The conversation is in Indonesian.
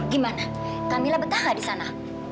gimana kamilah betah nggak di sana